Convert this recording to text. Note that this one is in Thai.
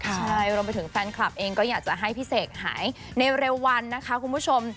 ใช่เอาไปถึงแฟนคลับเองก็อยากจะให้หน่อยหายเข้ากันในเร็ววันนะคะคุณผู้ชม